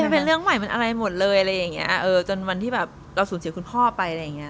มันเป็นเรื่องใหม่เป็นอะไรหมดเลยอะไรอย่างเงี้ยเออจนวันที่แบบเราสูญเสียคุณพ่อไปอะไรอย่างเงี้